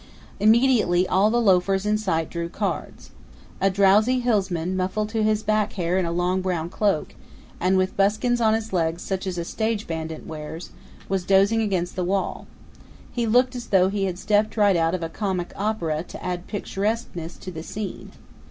Immediately all the loafers in sight drew cards. A drowsy hillsman, muffled to his back hair in a long brown cloak, and with buskins on his legs such as a stage bandit wears, was dozing against the wall. He looked as though he had stepped right out of a comic opera to add picturesqueness to the scene.